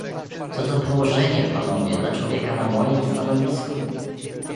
"Co za położenie, panowie, dla człowieka na mojem stanowisku!"